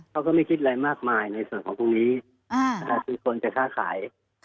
เขาก็ไม่คิดอะไรมากมายในส่วนของพวกนี้แต่เป็นคนจะฆ่าขาย